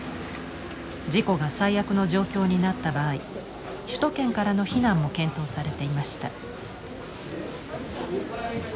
事故が最悪の状況になった場合首都圏からの避難も検討されていました。